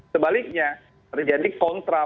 sebaliknya terjadi kontra